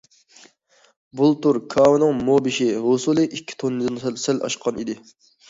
بۇلتۇر كاۋىنىڭ مو بېشى ھوسۇلى ئىككى توننىدىن سەل ئاشقان ئىدى.